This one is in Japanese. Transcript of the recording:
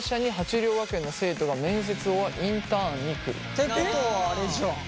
ってことはあれじゃん。